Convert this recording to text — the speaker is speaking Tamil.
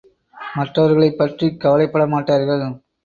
மற்றவர்களைப் பற்றிக் கவலைப்பட மாட்டார்கள்.